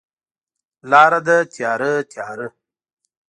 لاره ده تیاره، تیاره